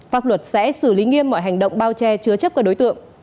pháp luật sẽ xử lý nghiêm mọi hành động bao che chứa chấp các đối tượng